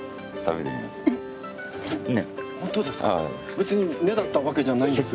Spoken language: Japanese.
別にねだったわけじゃないんですよ。